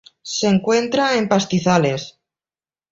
Se encuentra en pastizales.